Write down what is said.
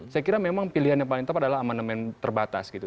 saya kira memang pilihan yang paling tepat adalah amandemen terbatas gitu